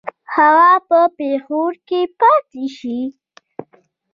هغه په پېښور کې پاته شي.